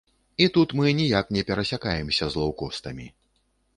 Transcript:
І тут мы ніяк не перасякаемся з лоўкостамі.